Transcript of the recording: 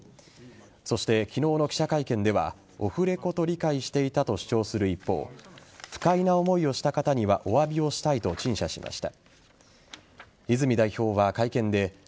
そして昨日の記者会見ではオフレコと理解していたと主張する一方不快な思いをした方にはお詫びをしたいと陳謝しました。